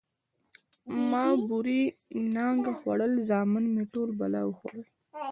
ـ ما بورې نانګه خوړل، زامن مې ټول بلا وخوړل.